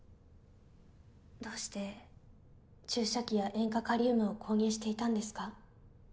どうして注射器や塩化カリウムを購入していたんですか？